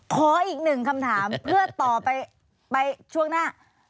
ขออีกหนึ่งคำถามเพื่อต่อไปไปช่วงหน้า